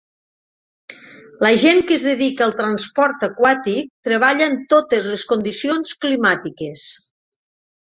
La gent que es dedica al transport aquàtic treballa en totes les condicions climàtiques.